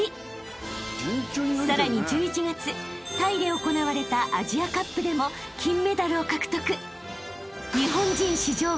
［さらに１１月タイで行われたアジアカップでも金メダルを獲得］